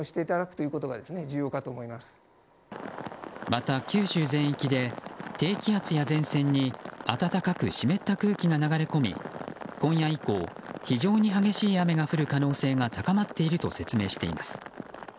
また、九州全域で低気圧や前線に暖かく湿った空気が流れ込み今夜以降非常に激しい雨が降る可能性が高まっていると説明しています。